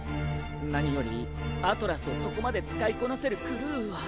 何よりアトラスをそこまで使いこなせるクルーは。